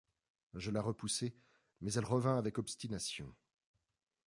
Je la repoussai, mais elle revint avec obstination.